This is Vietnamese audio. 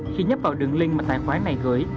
khi nhấp vào đường link mà tài khoái này gửi